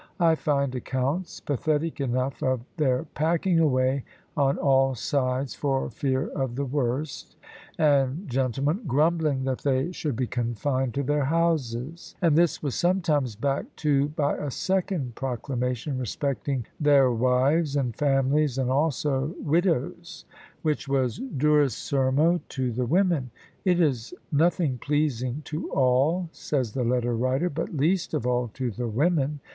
I find accounts, pathetic enough, of their "packing away on all sides for fear of the worst;" and gentlemen "grumbling that they should be confined to their houses:" and this was sometimes backed too by a second proclamation, respecting "their wives and families, and also widows," which was "durus sermo to the women. It is nothing pleasing to all," says the letter writer, "but least of all to the women."